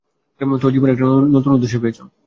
তোর জীবন একটা নতুন উদ্দেশ্য পেয়েছে।